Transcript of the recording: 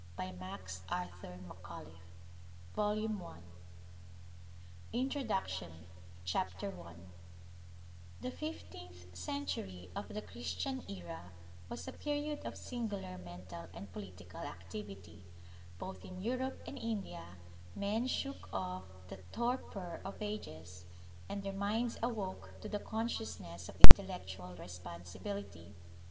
. .105 INTRODUCTION CHAPTER I THE fifteenth century of the Christian era was a period of singular mental and political activity. Both in Europe and India men shook off the torpor of ages, and their minds awoke to the consciousness of intellectual responsibility.